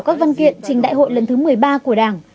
các văn kiện trình đại hội lần thứ một mươi ba của đảng